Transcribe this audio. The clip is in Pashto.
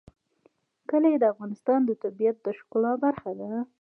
کلي د افغانستان د طبیعت د ښکلا برخه ده.